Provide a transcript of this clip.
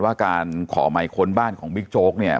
ว่าการขอหมายค้นบ้านของบิ๊กโจ๊กเนี่ย